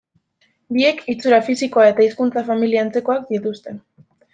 Biek itxura fisikoa eta hizkuntza-familia antzekoak dituzte.